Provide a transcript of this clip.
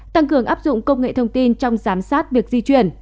tăng cường áp dụng công nghệ thông tin trong giám sát việc di chuyển